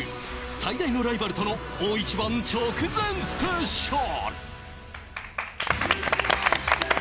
最大のライバルとの大一番直前スペシャル！